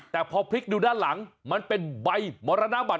แต่พอพลิกดูด้านหลังมันเป็นใบมรณบัตร